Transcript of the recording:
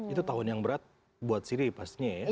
itu tahun yang berat buat siri pastinya ya